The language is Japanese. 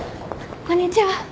こんにちは。